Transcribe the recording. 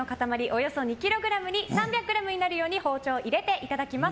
およそ２ｋｇに３００ｇになるように包丁を入れていただきます。